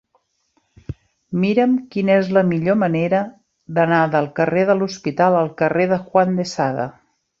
Mira'm quina és la millor manera d'anar del carrer de l'Hospital al carrer de Juan de Sada.